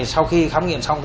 sau khi khám nghiệm xong